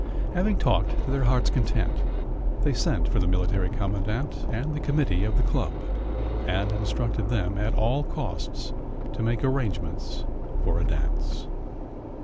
Having talked to their hearts' content, they sent for the Military Commandant and the committee of the club, and instructed them at all costs to make arrangements for a dance.